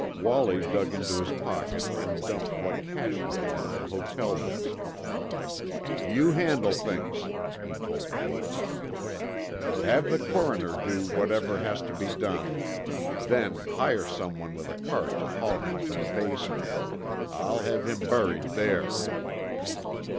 Wallie dug into his pocket and dumped what cash he had on the hotel desk. "You handle things," he told Bates. "Have the coroner do whatever has to be done, then hire someone with a cart to haul him to the Basin. I'll have him buried there."